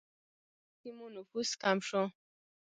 ښاري سیمو نفوس کم شو.